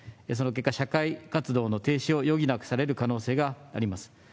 その結果、社会活動の停止を余儀なくされる可能性があります。